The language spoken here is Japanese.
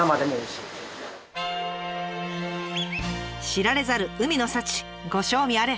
知られざる海の幸ご賞味あれ！